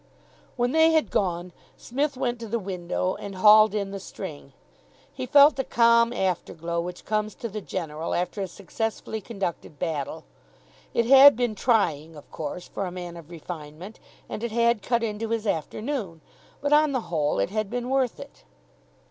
When they had gone, Psmith went to the window, and hauled in the string. He felt the calm after glow which comes to the general after a successfully conducted battle. It had been trying, of course, for a man of refinement, and it had cut into his afternoon, but on the whole it had been worth it.